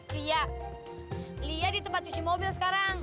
lia lihat di tempat cuci mobil sekarang